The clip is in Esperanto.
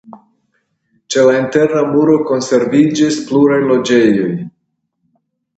Ĉe la interna muro konserviĝis pluraj loĝejoj.